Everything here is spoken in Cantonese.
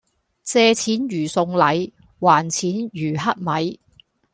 借錢如送禮，還錢如乞米